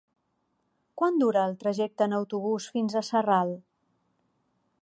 Quant dura el trajecte en autobús fins a Sarral?